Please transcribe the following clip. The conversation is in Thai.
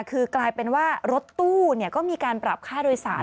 คือกลายเป็นว่ารถตู้ก็มีการปรับค่าโดยสาร